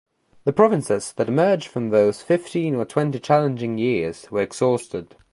The provinces that emerged from those fifteen or twenty challenging years were exhausted.